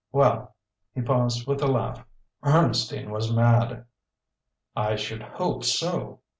Well." he paused with a laugh "Ernestine was mad." "I should hope so!"